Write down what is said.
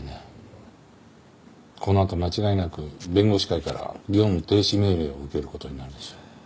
このあと間違いなく弁護士会から業務停止命令を受ける事になるでしょう。